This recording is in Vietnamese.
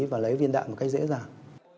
và lấy viên đạn một cách dễ dàng